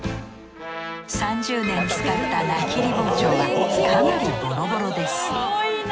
３０年使った菜切り包丁はかなりボロボロです